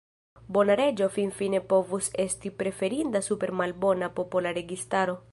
Bona reĝo finfine povus esti preferinda super malbona popola registaro.